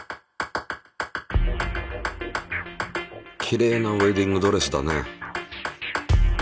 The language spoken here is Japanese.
きれいなウエディングドレスだね。